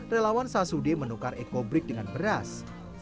relawan sasudie menukar eco break dengan beras